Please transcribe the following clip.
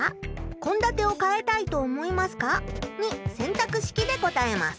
「こんだてを変えたいと思いますか？」に選択式で答えます。